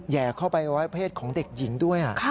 แห่เข้าไปร้อยเพศของเด็กหญิงด้วย